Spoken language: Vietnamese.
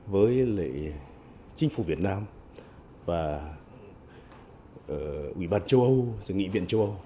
với lại chính phủ việt nam và ủy ban châu âu